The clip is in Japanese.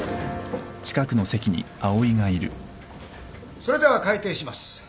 それでは開廷します。